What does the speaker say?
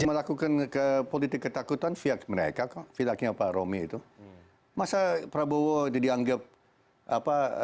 melakukan ke politik ketakutan viak mereka kok viaknya pak romi itu masa prabowo dianggap apa